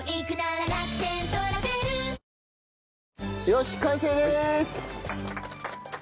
よし完成でーす！